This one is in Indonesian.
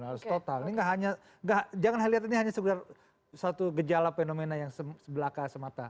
jangan hanya lihat ini sebuah gejala fenomena yang sebelaka semata